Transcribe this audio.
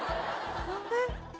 えっ？